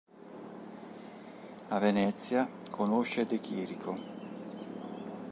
A Venezia conosce De Chirico.